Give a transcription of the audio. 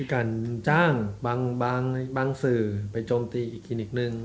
การจ้างบางศูไปจมตีอีกคลีนิกหนึ่ง